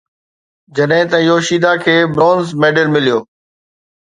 جڏهن ته يوشيدا کي برونز ميڊل مليو